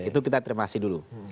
itu kita terima kasih dulu